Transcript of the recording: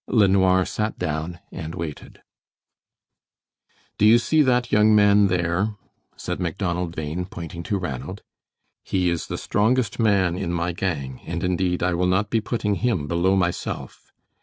LeNoir sat down and waited. "Do you see that young man there?" said Macdonald Bhain, pointing to Ranald. "He is the strongest man in my gang, and indeed, I will not be putting him below myself."